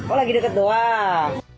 oh lagi dekat doang